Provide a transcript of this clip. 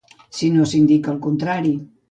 Si no s'indica el contrari.